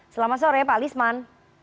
selamat sore pak lisman